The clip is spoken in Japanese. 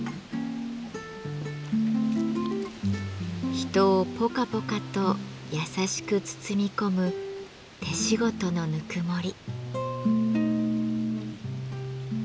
人をぽかぽかと優しく包み込む手仕事のぬくもり。